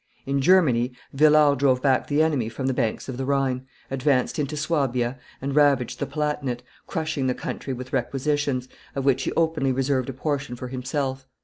In Germany, Villars drove back the enemy from the banks of the Rhine, advanced into Suabia, and ravaged the Palatinate, crushing the country with requisitions, of which he openly reserved a portion for himself.